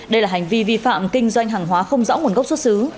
đây là hành vi vi phạm kinh doanh hàng hóa không rõ nguồn gốc xuất xứ